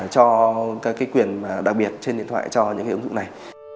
cho cái quyền đặc biệt trên điện thoại cho những cái ứng dụng này